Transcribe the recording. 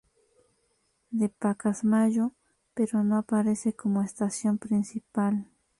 De Pacasmayo, pero no aparece como estación principal.